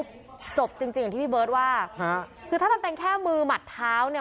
มันจบจริงจริงอย่างที่พี่เบิร์ตว่าฮะคือถ้ามันเป็นแค่มือหมัดเท้าเนี่ย